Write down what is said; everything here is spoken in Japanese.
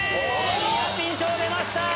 ニアピン賞出ました！